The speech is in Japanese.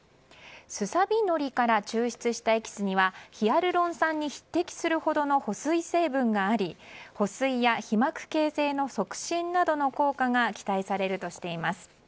スサビノリから抽出したエキスにはヒアルロン酸に匹敵するほどの保水成分があり保水や皮膜形成の促進などの効果が期待されるとしています。